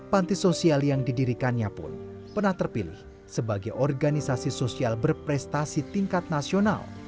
panti sosial yang didirikannya pun pernah terpilih sebagai organisasi sosial berprestasi tingkat nasional